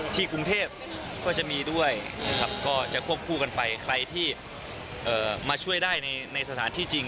กรุงเทพก็จะมีด้วยนะครับก็จะควบคู่กันไปใครที่มาช่วยได้ในสถานที่จริง